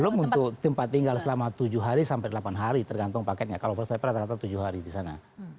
belum untuk tempat tinggal selama tujuh hari sampai delapan hari tergantung paketnya kalau first travel rata rata tujuh hari di sana